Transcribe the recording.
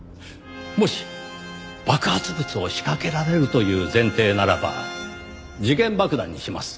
もし爆発物を仕掛けられるという前提ならば時限爆弾にします。